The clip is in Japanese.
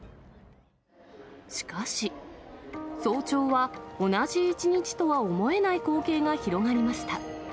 しかし、早朝は同じ一日とは思えない光景が広がりました。